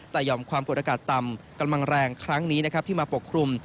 แต่ยอมความกดอากาศต่ำกำลังแรงครั้งนี้นะครับที่มาปกคลุม